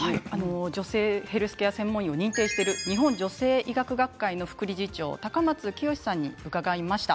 女性ヘルスケア専門医を認定している日本女性医学学会の副理事長高松潔さんに伺いました。